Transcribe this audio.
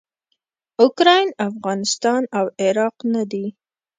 اوکراین افغانستان او عراق نه دي.